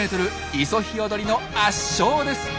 イソヒヨドリの圧勝です。